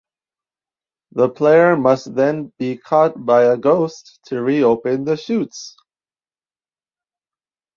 The player must then be caught by a ghost to reopen the chutes.